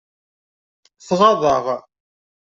Tɣaḍ-aɣ.